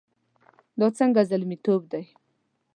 دا څنګه زلميتوب دی؟